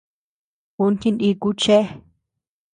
Uu jiniku chéa.